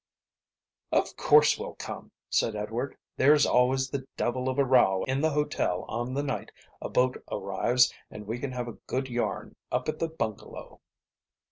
"Of course we'll come," said Edward. "There's always the devil of a row in the hotel on the night a boat arrives and we can have a good yarn up at the bungalow."